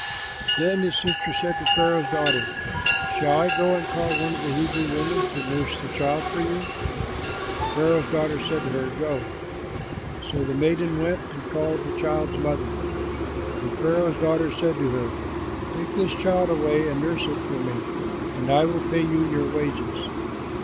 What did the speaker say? Then his sister said to Pharaoh's daughter, "Shall I go and call one of the Hebrew women to nurse the child for you?" Pharaoh's daughter said to her, "Go." So the maiden went and called the child's mother, and Pharaoh's daughter said to her, "Take this child away and nurse it for me, and I will pay you your wages."